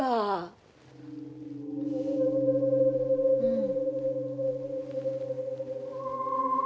うん。